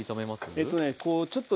えっとね